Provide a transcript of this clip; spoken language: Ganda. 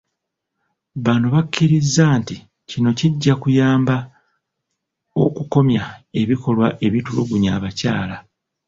Bano bakkiriza nti kino kijja kuyamba okukomya ebikolwa ebitulugunya abakyala.